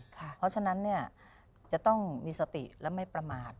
เพราะฉะนั้นจะต้องมีสติและไม่ประมาท